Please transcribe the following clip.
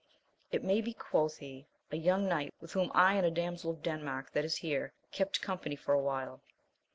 It may be, quoth he, a young knight, with whom I and a damsel of Denmark that is here, kept company for a while.